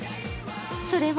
それは